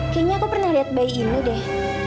kayaknya aku pernah lihat bayi ini deh